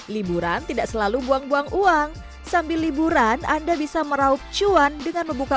liburan tidak selalu buang buang uang sambil liburan anda bisa meraup cuan dengan membuka